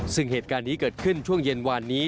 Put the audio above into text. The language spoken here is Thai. ซึ่งเหตุการณ์นี้เกิดขึ้นช่วงเย็นวานนี้